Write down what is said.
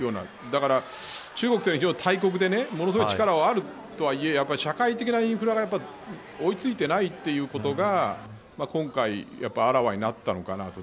中国といえば大国ですごく力があるとはいえ社会的インフラが追いついていないということが今回、あらわになったのかなと。